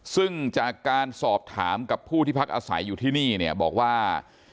ซึ่งจากการสอบถามกับผู้ที่พักอาศัยอยู่ที่นี่เนี่ยบอกว่า